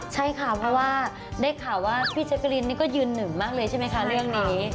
ใช่ค่ะเพราะว่าได้ข่าวว่าพี่แจ๊กกะลินนี่ก็ยืนหนึ่งมากเลยใช่ไหมคะเรื่องนี้